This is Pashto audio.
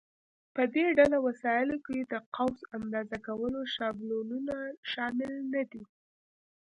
په دې ډله وسایلو کې د قوس اندازه کولو شابلونونه شامل نه دي.